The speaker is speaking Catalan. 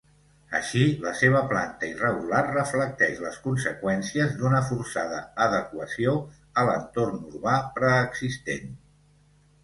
Així, la seva planta irregular reflecteix les conseqüències d'una forçada adequació a l'entorn urbà preexistent.